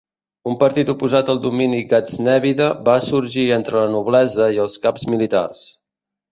Un partit oposat al domini gaznèvida va sorgir entre la noblesa i els caps militars.